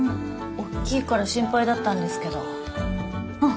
大きいから心配だったんですけどうん！